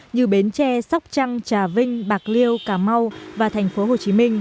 như bến tre sóc trăng trà vinh bạc liêu cà mau và tp hcm